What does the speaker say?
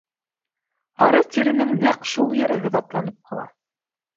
Һары тиренең нәҡ шул ере һыҙатланып ҡала.